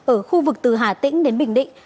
ở khu vực từ hà tĩnh đến bình định